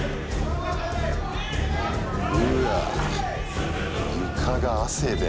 うわ床が汗で。